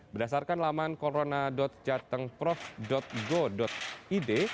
berdasarkan laman corona jatengprof go id